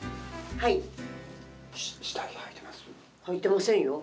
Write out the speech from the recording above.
はいてませんよ。